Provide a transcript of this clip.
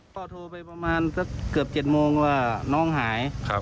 โทรไปประมาณสักเกือบ๗โมงว่าน้องหาย